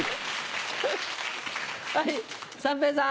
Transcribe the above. はい三平さん。